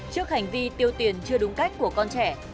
trước hành vi tiêu tiền chưa đúng cách của con trẻ